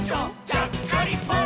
ちゃっかりポン！」